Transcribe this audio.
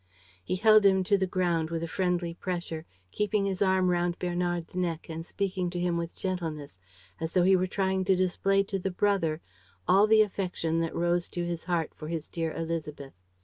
He held him to the ground with a friendly pressure, keeping his arm round Bernard's neck and speaking to him with gentleness, as though he were trying to display to the brother all the affection that rose to his heart for his dear Élisabeth.